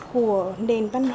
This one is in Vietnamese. của nền văn học và văn hóa nga